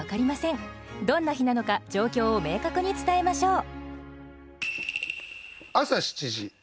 どんな日なのか状況を明確に伝えましょう。